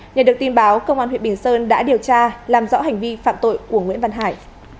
nhờ được tin báo công an huyện bình sơn đã điều tra làm rõ hành vi phạm tội của nguyễn văn hải